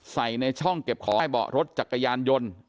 ในช่องเก็บของใต้เบาะรถจักรยานยนต์